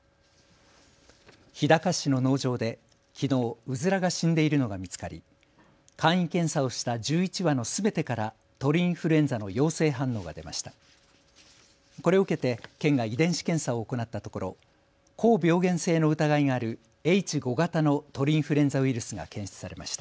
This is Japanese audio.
日高市の農場できのう、うずらが死んでいるのが見つかり簡易検査をした１１羽のすべてから鳥インフルエンザの陽性反応が出ました。